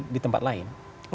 di tempat lain